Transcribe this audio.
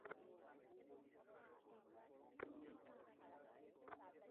তুমি নাক ডেকে ঘুমাচ্ছিলে।